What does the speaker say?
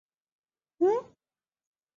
韩叙毕业于燕京大学。